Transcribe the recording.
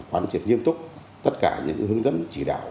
quán triệt nghiêm túc tất cả những hướng dẫn chỉ đạo